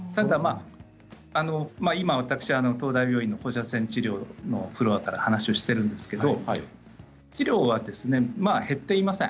今私、東大病院の放射線治療のフロアから話をしているんですけども治療は減っていません。